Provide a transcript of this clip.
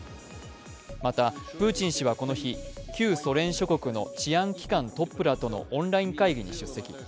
また、プーチン氏はこの日、旧ソ連諸国の治安機関トップらとのオンライン会議に出席。